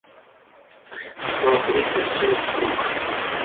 сто тридцать шесть штук